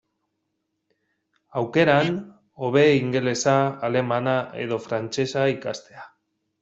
Aukeran, hobe ingelesa, alemana edo frantsesa ikastea.